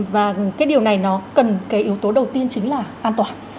và cái điều này nó cần cái yếu tố đầu tiên chính là an toàn